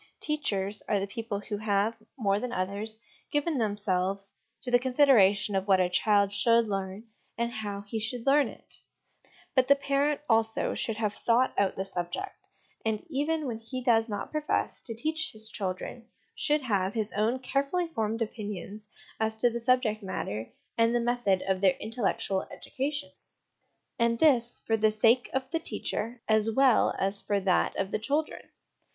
Teachers are the people who have, more than others, given themselves to the consideration of what a child should learn and how he should learn it ; but the parent, also, should have thought out this subject, and even when he does not profess to teach his children, should have his own carefully formed opinions as to the subject matter and the method of their intellectual education : and this for the sake of the teacher as well as for that of 169 170 HOME EDUCATION the children.